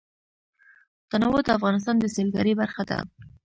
تنوع د افغانستان د سیلګرۍ برخه ده.